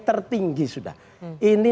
tertinggi sudah ini